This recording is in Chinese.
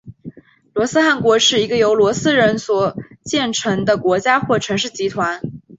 罗斯汗国是一个由罗斯人所建立的国家或城市集团。